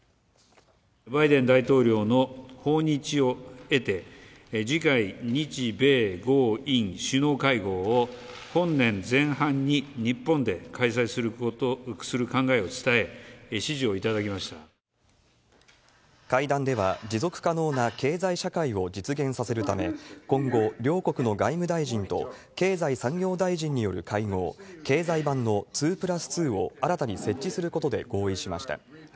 バイデン大統領の訪日を得て、次回、日米豪印首脳会合を、本年前半に日本で開催する考えを伝え、会談では、持続可能な経済社会を実現させるため、今後、両国の外務大臣と、経済・産業大臣による会合、経済版の２プラス２を新たに設置することで合意しました。